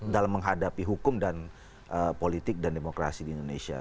dalam menghadapi hukum dan politik dan demokrasi di indonesia